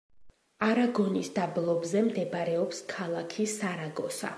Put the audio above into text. არაგონის დაბლობზე მდებარეობს ქალაქი სარაგოსა.